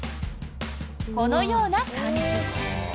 このような感じ。